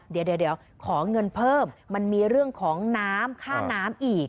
เดี๋ยวขอเงินเพิ่มมันมีเรื่องของน้ำค่าน้ำอีก